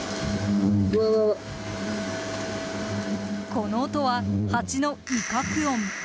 この音はハチの威嚇音。